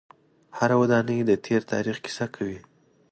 هره ودانۍ د تیر تاریخ کیسه کوي.